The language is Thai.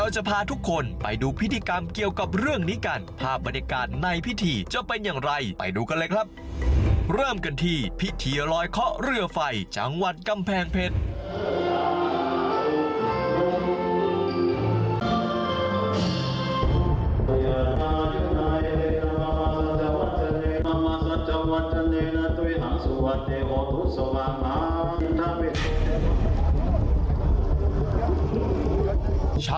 จัดขึ้นที่วัดทุ่งสนุนรัตนารามตำบลระหารอำเภอบึงสามะขี่จังหวัดกำแพงเพชร